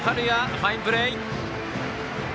ファインプレー！